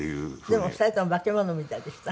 でも２人とも化け物みたいでした？